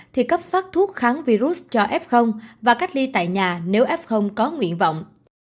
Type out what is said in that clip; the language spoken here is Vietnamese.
thì cấp phát thuốc kháng virus cho f và cách ly tại nhà nếu f có nguyện vọng